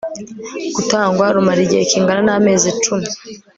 gutangwa rumara igihe kingana n amezi cumi